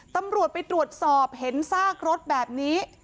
ตำรวจไปตรวจสอบเห็นซากรถแบบนี้